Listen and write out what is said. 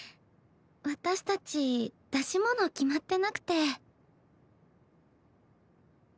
私たち出し物決まってなくて。